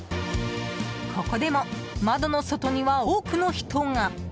ここでも窓の外には、多くの人が。